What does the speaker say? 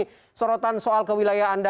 ini sorotan soal kewilayaan anda